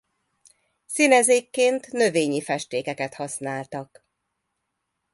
Színezékként növényi festékeket használtak.